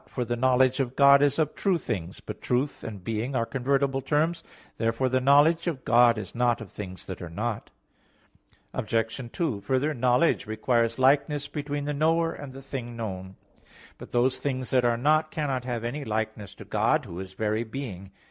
For the knowledge of God is of true things. But "truth" and "being" are convertible terms. Therefore the knowledge of God is not of things that are not. Obj. 2: Further, knowledge requires likeness between the knower and the thing known. But those things that are not cannot have any likeness to God, Who is very being.